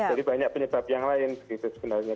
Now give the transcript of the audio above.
jadi banyak penyebab yang lain gitu sebenarnya